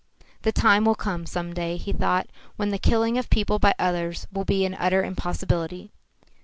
"The time will come some day," he thought, "when the killing of people by others will be an utter impossibility.